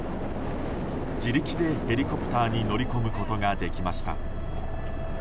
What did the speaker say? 自力でヘリコプターに乗り込むことができました。